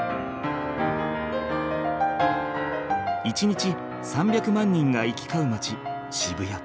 １日３００万人が行き交う街渋谷。